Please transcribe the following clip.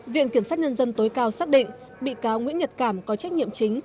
viện kiểm sát nhân dân tối cao xác định bị cáo nguyễn nhật cảm có trách nhiệm chính